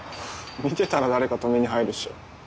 見てたら誰か止めに入るっしょ。